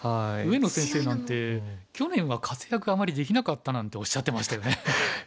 上野先生なんて「去年は活躍あまりできなかった」なんておっしゃってましたよね。